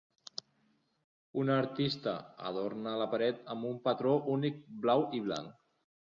Un artista adorna la paret amb un patró únic blau i blanc.